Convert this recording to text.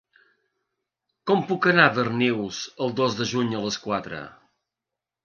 Com puc anar a Darnius el dos de juny a les quatre?